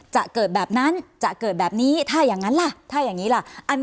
จะเกิดแบบนั้นจะเกิดแบบนี้ถ้าอย่างนั้นล่ะถ้าอย่างนี้ล่ะ